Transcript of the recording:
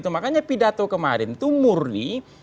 makanya pidato kemarin itu murni